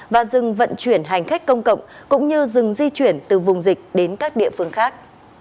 và dừng vận chuyển hành khách công cộng cũng như dừng di chuyển từ vùng dịch đến các địa phương khác